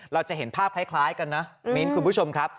เราจะเห็นภาพคล้ายกันนะมิ้นคุณผู้ชมครับ